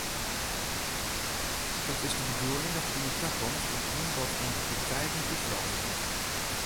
It is de bedoeling dat yn 'e takomst it oanbod oan aktiviteiten útwreide wurdt.